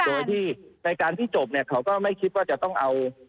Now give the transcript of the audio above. โดยที่ในการที่จบเนี่ยเขาก็ไม่คิดว่าจะต้องเอา